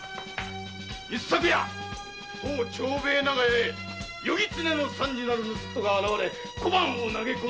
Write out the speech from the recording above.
一昨夜当長兵衛長屋へ「夜狐の三次」なる盗っ人が現れ小判を投げ込んで行った。